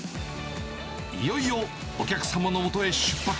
いよいよ、お客様のもとへ出発。